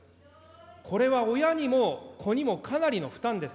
これは親にも子にもかなりの負担です。